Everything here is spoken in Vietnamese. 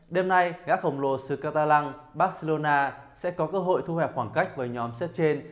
đêm nay gác khổng lồ sucatalan barcelona sẽ có cơ hội thu hẹp khoảng cách với nhóm xếp trên